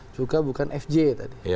juga bukan fj tadi